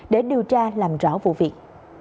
để điều tra làm rõ vụ việc